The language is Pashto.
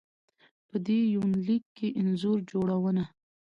په دې يونليک کې انځور جوړونه